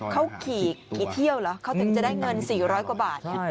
เขาขี่กี่เที่ยวเหรอเขาถึงจะได้เงิน๔๐๐กว่าบาท